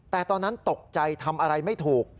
แต่ตอนนั้นตกใจทำอะไรไม่ถูก